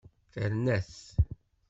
Terna-t.